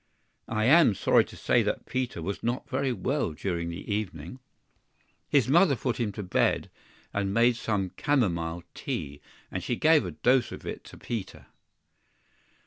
I AM sorry to say that Peter was not very well during the evening. His mother put him to bed, and made some camomile tea; and she gave a dose of it to Peter!